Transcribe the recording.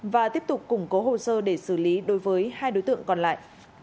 và tiếp tục củng cố hồ sơ để xử lý đối với hai đối tượng còn lại